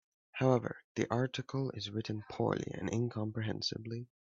However, the article is written poorly and incomprehensibly.